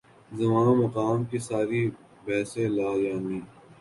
زمان و مکان کی ساری بحثیں لا یعنی۔